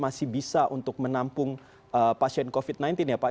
masih bisa untuk menampung pasien covid sembilan belas ya pak